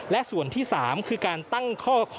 และส่วนที่๓คือการตั้งข้อ